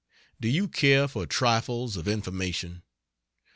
Do you care for trifles of information?